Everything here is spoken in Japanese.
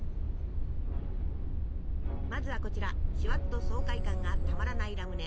まずはこちらシュワッと爽快感がたまらないラムネ。